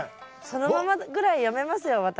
そのままぐらい読めますよ